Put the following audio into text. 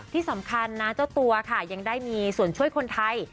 ที่สำคัญนะเจ้าตัวค่ะยังได้มีส่วนช่วยคนไทย